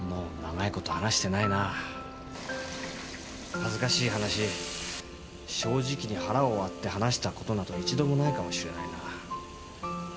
恥ずかしい話正直に腹を割って話したことなど一度もないかもしれないな。